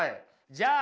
じゃあ。